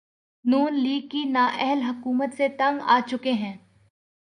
نون league کی نااہل حکومت سے تنگ آچکے ہیں